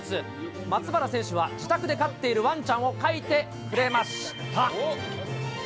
松原選手は自宅で飼っているワンちゃんを描いてくれました。